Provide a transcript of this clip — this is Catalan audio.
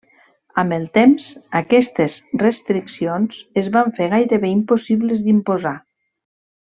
Amb el temps aquestes restriccions es van fer gairebé impossibles d'imposar.